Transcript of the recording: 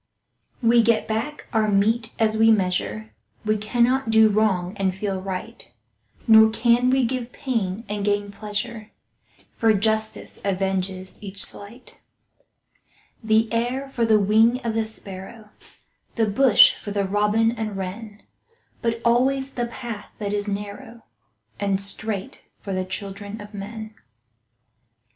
We get back our mete as we measure— We cannot do wrong and feel right, Nor can we give pain and gain pleasure, For justice avenges each slight. The air for the wing of the sparrow, The bush for the robin and wren, But alway the path that is narrow And straight, for the children of men.